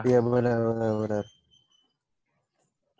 iya benar benar benar